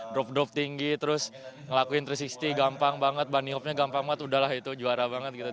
drop drop tinggi terus ngelakuin tiga ratus enam puluh gampang banget bunny hopnya gampang banget udahlah itu juara banget gitu